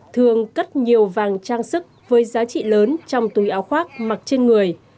thường cất nhiều vàng trang sức với giá trị lớn trong túi áo khoác mặc trên người